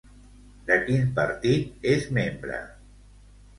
De quin partit és membre?